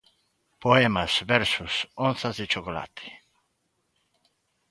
Poemas, versos, onzas de chocolate.